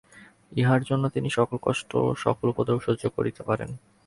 ইহার জন্য তিনি সকল কষ্ট সকল উপদ্রব সহ্য করিতে পারেন।